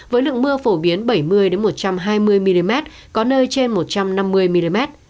với lượng mưa phổ biến bảy mươi một trăm hai mươi mm có nơi trên một trăm năm mươi mm